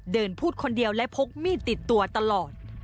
พูดคนเดียวและพกมีดติดตัวตลอด